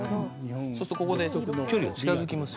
そうするとここで距離が近づきます。